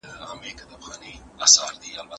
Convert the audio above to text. دولت د باډي او هیکل مثال لري.